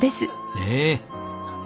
ねえ。